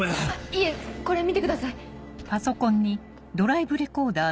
いえこれ見てください。